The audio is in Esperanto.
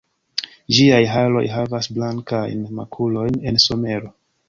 Ĝiaj haroj havas blankajn makulojn en somero.